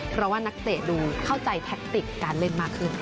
เพราะว่านักเตะดูเข้าใจแทคติกการเล่นมากขึ้น